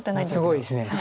すごいですね。